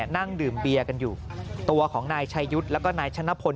นั่งดื่มเบียร์กันอยู่ตัวของนายชายุทธ์แล้วก็นายชนะพล